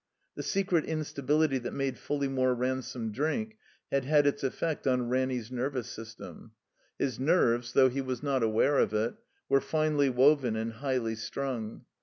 The secret instability that made Fulleymore Ransome drink had had its effect on Ranny's nervous system. His nerves, though he was not aware of it, were finely woven and highly strung.